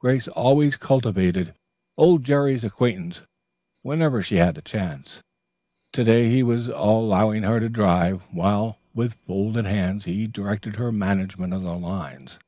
Grace always cultivated old Jerry's acquaintance whenever she had the chance. To day he was allowing her to drive, while, with folded hands, he directed her management of the lines.